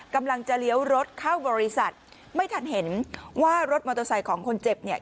กำลังจะเลี้ยวรถเข้าบริษัทไม่ทันเห็นว่ารถมอเตอร์ไซค์ของคนเจ็บเนี่ย